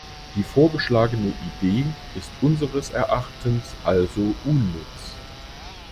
Die vorgeschlagene Idee ist unseres Erachtens also unnütz.